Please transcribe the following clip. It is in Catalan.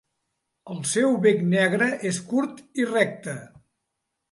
El seu bec negre és curt i recte.